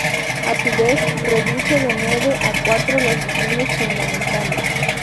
A su vez, reduce de nueve a cuatro los diseños fundamentales.